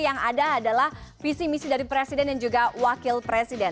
yang ada adalah visi misi dari presiden dan juga wakil presiden